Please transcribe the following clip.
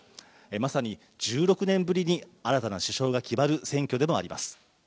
まさに１６年ぶりに新たな首相が決まる選挙でもあります。